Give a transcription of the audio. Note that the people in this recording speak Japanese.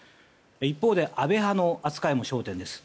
一方で、安倍派の扱いも焦点です。